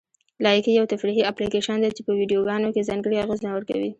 لایکي یو تفریحي اپلیکیشن دی چې په ویډیوګانو کې ځانګړي اغېزونه ورکوي.